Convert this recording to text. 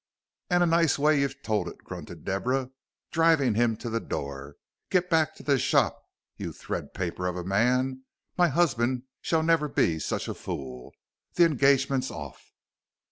"And a nice way you've told it," grunted Deborah, driving him to the door. "Get back to the shop, you threadpaper of a man. My husband shall never be such a fool. The engagement's off."